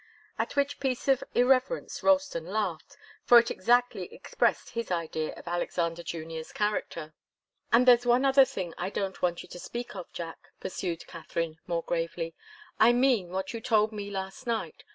At which piece of irreverence Ralston laughed, for it exactly expressed his idea of Alexander Junior's character. "And there's one other thing I don't want you to speak of, Jack," pursued Katharine, more gravely. "I mean what you told me last night.